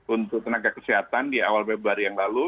untuk tenaga kesehatan di awal februari yang lalu